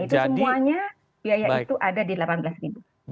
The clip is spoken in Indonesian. itu semuanya biaya itu ada di delapan belas ribu